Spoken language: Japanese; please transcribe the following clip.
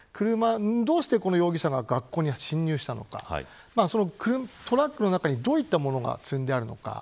どうしてこの容疑者が学校に侵入したのかトラックの中にどういったものが積んであるのか。